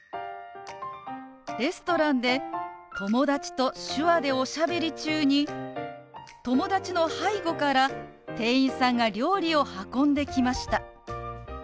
レストランで友達と手話でおしゃべり中に友達の背後から店員さんが料理を運んできました。